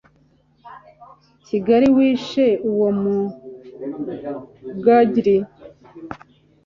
kigeli wishe uwo mu mugari